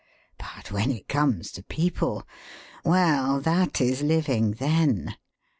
But when it comes to people!... Well, that is 'living,' then!